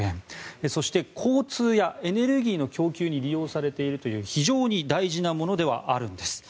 交通やエネルギーの供給に利用されているという非常に大事なものではあるんです。